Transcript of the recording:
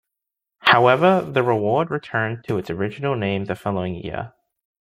However, the award returned to its original name the following year.